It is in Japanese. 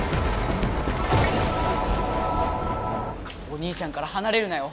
お兄ちゃんからはなれるなよ。